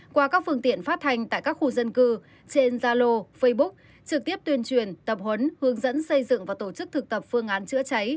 qua các phương tiện phát thanh tại các khu dân cư trên gia lô facebook trực tiếp tuyên truyền tập huấn hướng dẫn xây dựng và tổ chức thực tập phương án chữa cháy